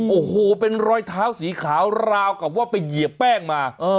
โอ้โหเป็นรอยเท้าสีขาวราวกับว่าไปเหยียบแป้งมา